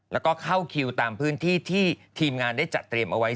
แล้วก็เข้าคิวตามพื้นที่ที่ทีมงานได้จัดเตรียมเอาไว้